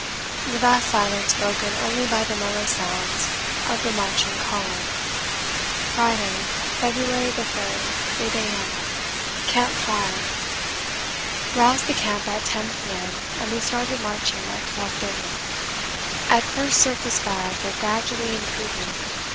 The vast silence broken only by the mellow sounds of the marching column. Friday, February 3, 8 A.M. Camp 5. Roused the camp at 10 P.M. and we started marching at 12.30. At first surface bad, but gradually improving.